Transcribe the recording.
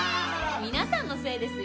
皆さんのせいですよ。